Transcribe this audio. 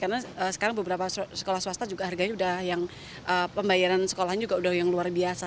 karena sekarang beberapa sekolah swasta juga harganya sudah yang pembayaran sekolahnya juga udah yang luar biasa